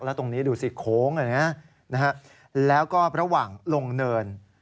แล้วตรงนี้ดูสิโค้งแล้วก็ระหว่างลงเนิน